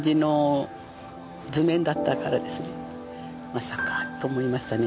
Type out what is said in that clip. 「まさか」と思いましたね。